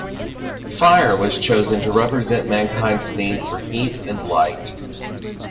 Fire was chosen to represent mankind's need for heat and light.